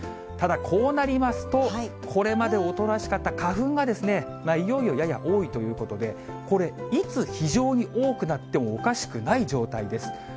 ただ、こうなりますと、これまでおとなしかった花粉がですね、いよいよ、やや多いということで、これ、いつ非常に多くなってもおかしくない状態です。